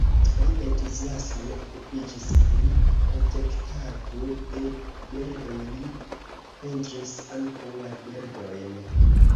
Li entuziasme okupiĝis pri protektado de birdoj, li pentris ankaŭ la birdojn.